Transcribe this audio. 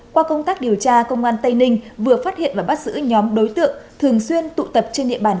qua công tác điều tra công an tây ninh vừa phát hiện và bắt giữ nhóm đối tượng thường xuyên tụ tập trên địa bàn